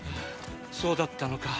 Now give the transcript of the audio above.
そうだったのか。